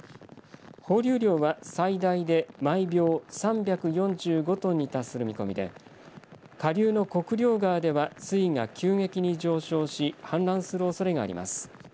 放流量は最大で毎秒３４５トンに達する見込みで下流の国領川では水位が急激に上昇し氾濫するおそれがあります。